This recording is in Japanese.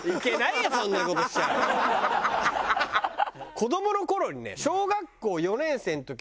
子どもの頃にね。